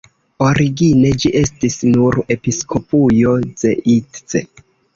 Origine ĝi estis nur episkopujo Zeitz.